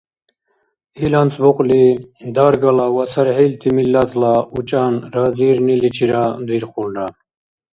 Ил анцӀбукьли даргала ва цархӀилти миллатла учӀан разиирниличира дирхулра.